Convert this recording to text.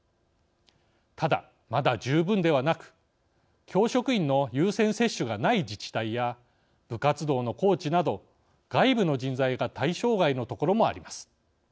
ただ、まだ十分ではなく教職員の優先接種がない自治体や部活動のコーチなど外部の人材が対象外のところもあります。